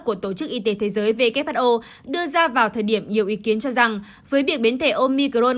của tổ chức y tế thế giới who đưa ra vào thời điểm nhiều ý kiến cho rằng với việc biến thể omicron